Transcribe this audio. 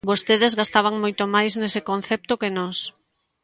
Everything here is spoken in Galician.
Vostedes gastaban moito máis nese concepto que nós.